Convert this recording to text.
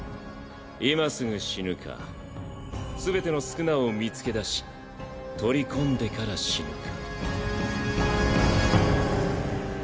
今すぐ死ぬか全ての宿儺を見つけ出し取り込んでから死ぬか。